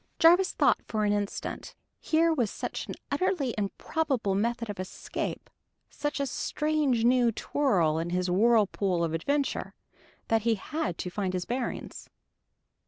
Jarvis thought for an instant. Here was such an utterly improbable method of escape, such a strange new twirl in his whirlpool of adventure, that he had to find his bearings.